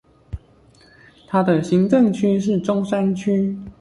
他的行政區是中山區